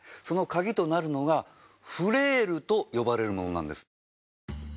そのカギとなるのがフレイルと呼ばれるものなんです。